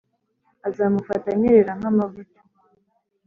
azamufata anyerera nk’amavuta